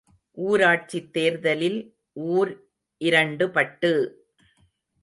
ஊராட்சித் தேர்தலில் ஊர் இரண்டுபட்டு!